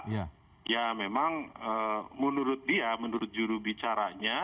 ya memang menurut dia menurut jurubicaranya